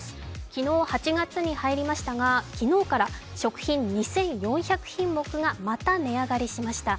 昨日、８月に入りましたが、昨日から食品２４００品目がまた値上がりしました。